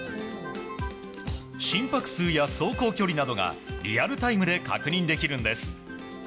心拍数や、走行距離などがリアルタイムで確認できるんです。